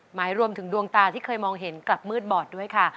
หมายรวมถึงดวงตาที่เคยมองเห็นกลับมืดบอดด้วยค่ะ